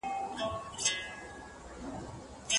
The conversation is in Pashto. دا ډول کار ډېری وخت د ځان ښودني لپاره ترسره کېږي.